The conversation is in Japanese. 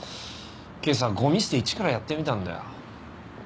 今朝ごみ捨て一からやってみたんだよ。